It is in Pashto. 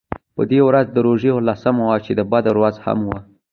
په دې ورځ د روژې اوولسمه وه چې د بدر ورځ هم وه.